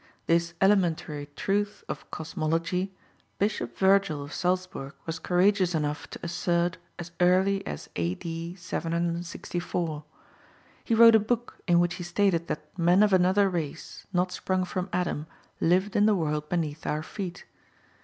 This elementary truth of cosmology Bishop Virgil of Salzbourg was courageous enough to assert as early as A.D. 764. He wrote a book in which he stated that men of another race, not sprung from Adam, lived in the world beneath our feet.